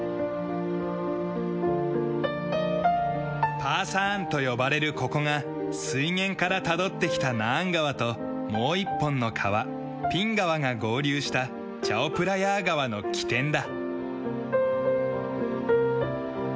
パーサーンと呼ばれるここが水源からたどってきたナーン川ともう一本の川ピン川が合流したチャオプラヤー川の起点だ。